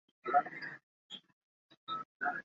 তাঁর মা, স্ত্রী এবং কন্যা সন্তান বর্তমান।